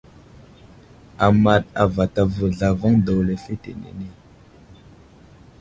Amaɗ avatavo zlavaŋ daw lefetenene.